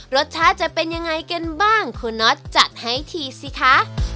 รสชาติจะเป็นยังไงกันบ้างคุณน็อตจัดให้ทีสิคะ